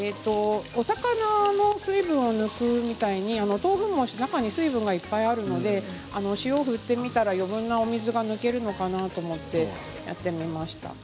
お魚の水分を抜くみたいにお豆腐も中に水分がいっぱいあるので塩を振ってみたら余分なお水が抜けるのかなと思ってやってみました。